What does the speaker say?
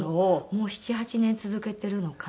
もう７８年続けてるのかな？